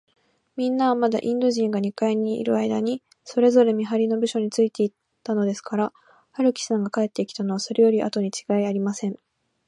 みんなは、まだインド人が二階にいるあいだに、それぞれ見はりの部署についたのですから、春木さんが帰ってきたのは、それよりあとにちがいありません。